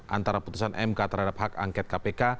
antara putusan mk terhadap hak angket kpk